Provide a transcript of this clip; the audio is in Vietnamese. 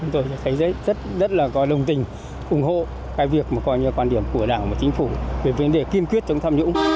tôi thấy rất rất là có đồng tình ủng hộ cái việc mà coi như quan điểm của đảng và chính phủ về vấn đề kiên quyết chống tham nhũng